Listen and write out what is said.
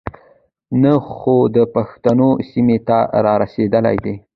نۀ خو د پښتنو سيمې ته را رسېدلے دے.